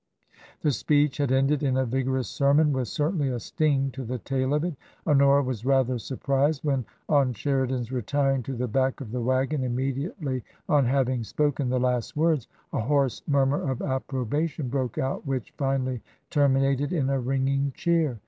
The speech had ended in a vigorous sermon with certainly a sting to the tail of it. Honora was rather surprised when, on Sheridan's retiring to the back of the waggon immediately on having spoken the last words, a hoarse murmur of approbation broke out which finally terminated in a ringing cheer.